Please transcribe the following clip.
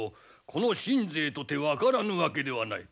この信西とて分からぬわけではない。